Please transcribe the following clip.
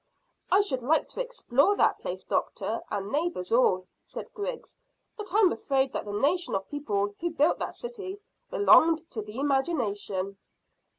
"I should like to explore that place, doctor and neighbours all," said Griggs, "but I'm afraid that the nation of people who built that city belonged to the imagination."